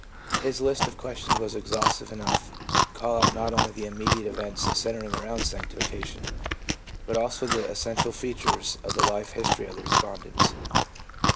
His list of questions was exhaustive enough to call out not only the immediate events centering around sanctification, but also the essential features of the life history of the respondents.